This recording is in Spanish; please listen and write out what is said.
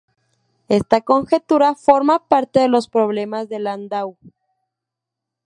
Esta conjetura forma parte de los problemas de Landau.